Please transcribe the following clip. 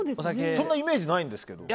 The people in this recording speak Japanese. そんなイメージないんですけど。